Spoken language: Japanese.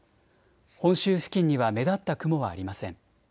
本州付近には目立った雲はありません。